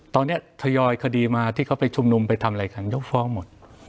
ตอนนี้ทยอยคดีมาที่เขาไปชุมนุมไปทำอะไรกันยกฟ้องหมด